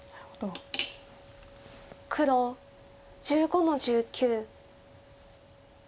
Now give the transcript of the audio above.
黒１５の十九。